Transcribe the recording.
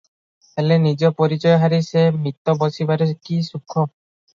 ହେଲେ ନିଜ ପରିଚୟ ହାରି ସେ ମିତ ବସିବାରେ କି ସୁଖ?